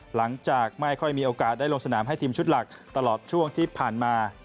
หลังจากไม่ค่อยมีโอกาสได้ลงสนามให้ทีมชุดหลักตลอดช่วงที่ผ่านมา